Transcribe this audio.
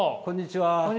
こんにちは。